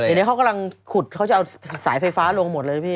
เดี๋ยวนี้เขากำลังขุดเขาจะเอาสายไฟฟ้าลงหมดเลยพี่